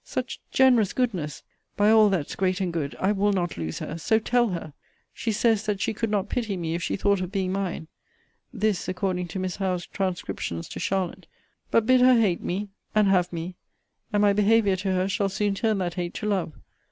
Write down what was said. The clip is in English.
such generous goodness! By all that's great and good, I will not lose her! so tell her! She says, that she could not pity me, if she thought of being mine! This, according to Miss Howe's transcriptions to Charlotte. But bid her hate me, and have me: and my behaviour to her shall soon turn that hate to love!